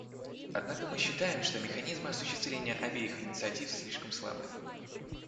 Однако мы считаем, что механизмы осуществления обеих инициатив слишком слабые.